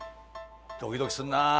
ドキドキするなあ。